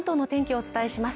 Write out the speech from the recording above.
お伝えします